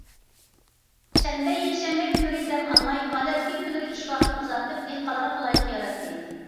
شەنبە، يەكشەنبە كۈنلىرى دەم ئالماي، ئادەتتىكى كۈنلىرى ئىش ۋاقتىنى ئۇزارتىپ، دېھقانلارغا قولايلىق ياراتتى.